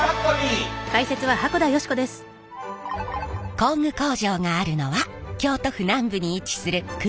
工具工場があるのは京都府南部に位置する久御山町。